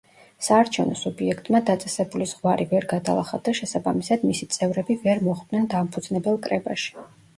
საარჩევნო სუბიექტმა დაწესებული ზღვარი ვერ გადალახა და შესაბამისად მისი წევრები ვერ მოხვდნენ დამფუძნებელ კრებაში.